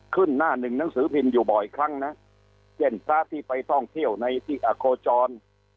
หน้าหนึ่งหนังสือพิมพ์อยู่บ่อยครั้งนะเช่นพระที่ไปท่องเที่ยวในที่อโคจร